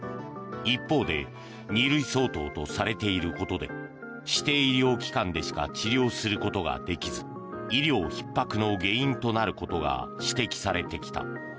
一方で２類相当とされていることで指定医療機関でしか治療することができず医療ひっ迫の原因となることが指摘されてきた。